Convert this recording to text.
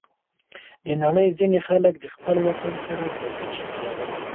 د نړۍ ځینې خلک د خپل وطن سره بې کچې مینه لري.